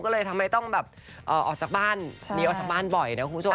ก็เลยทำให้ต้องแบบออกจากบ้านหนีออกจากบ้านบ่อยนะคุณผู้ชม